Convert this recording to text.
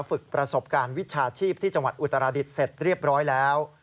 ฝึกประสบการณ์วิชาชีพที่จังหวัดอุตราดิษฐ์เสร็จเรียบร้อยแล้ว